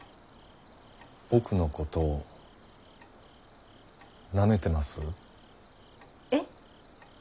僕のことを舐めてます？え！？